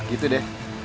ya gitu deh